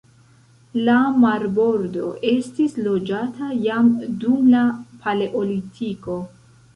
La marbordo estis loĝata jam dum la paleolitiko.